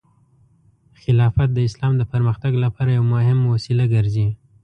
خلافت د اسلام د پرمختګ لپاره یو مهم وسیله ګرځي.